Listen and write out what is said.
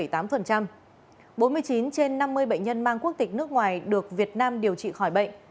bốn mươi chín trên năm mươi bệnh nhân mang quốc tịch nước ngoài được việt nam điều trị khỏi bệnh